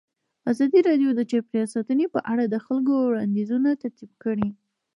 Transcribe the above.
ازادي راډیو د چاپیریال ساتنه په اړه د خلکو وړاندیزونه ترتیب کړي.